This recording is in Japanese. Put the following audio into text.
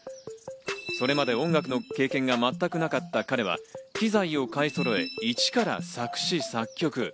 それまで音楽の経験が全くなかった彼は機材を買いそろえ、いちから作詞・作曲。